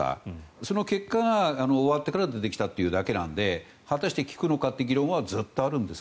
その結果が終わってから出てきただけなので果たして効くのかという議論はずっとあるんですね。